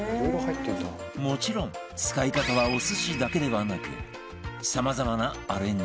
もちろん使い方はお寿司だけではなくさまざまなアレンジも